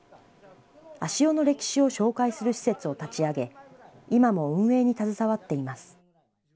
足尾の歴史を紹介する施設を立ち上げ、今も運営に携わっています。